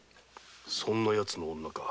そんなヤツの女か。